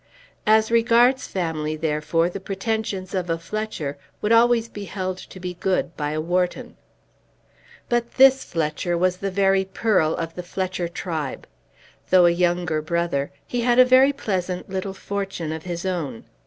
As regards family, therefore, the pretensions of a Fletcher would always be held to be good by a Wharton. But this Fletcher was the very pearl of the Fletcher tribe. Though a younger brother, he had a very pleasant little fortune of his own.